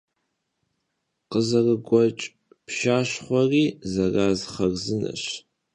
Khızerıgueç' pşşaxhueri zeraz xharzıneş.